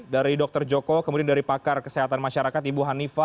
dari dr joko kemudian dari pakar kesehatan masyarakat ibu hanifah